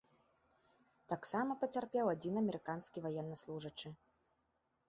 Таксама пацярпеў адзін амерыканскі ваеннаслужачы.